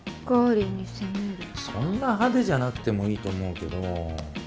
そんな派手じゃなくてもいいと思うけど。